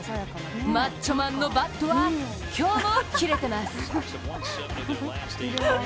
マッチョマンのバットは今日もキレてます！